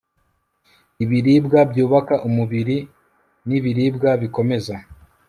ibiribwa byubaka umubiri nibiribwa bikomeza